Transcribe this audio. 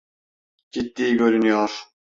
Ciddi görünüyor.